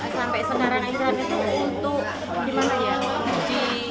sampai sekarang angkringan itu untuk gimana ya